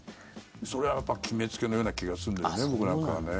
それはやっぱり決めつけのような気がするんだよね、僕なんかはね。